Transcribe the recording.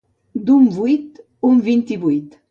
D'un vuit un vint-i-vuit.